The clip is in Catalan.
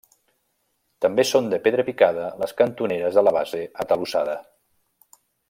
També són de pedra picada les cantoneres de la base atalussada.